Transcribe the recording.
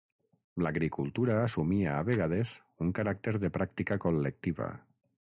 L'agricultura assumia a vegades un caràcter de pràctica col·lectiva.